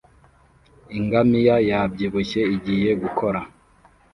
Ingamiya yabyibushye igiye gukora